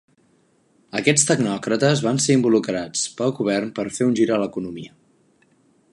Aquests tecnòcrates van ser involucrats pel Govern per fer un gir a l'economia.